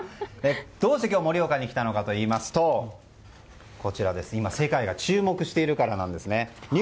どうして今日、盛岡に来たのかといいますと世界が注目しているからなんですね。